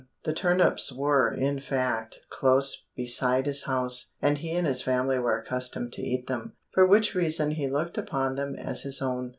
The turnips were, in fact, close beside his house, and he and his family were accustomed to eat them, for which reason he looked upon them as his own.